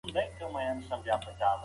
د ټولنې نظم په قوانینو پورې تړلی دی.